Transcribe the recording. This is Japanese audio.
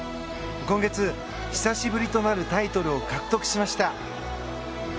今月、久しぶりとなるタイトルを獲得しました。